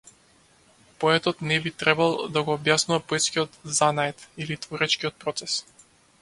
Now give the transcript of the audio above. Поетот не би требал да го објаснува поетскиот занает или творечкиот процес.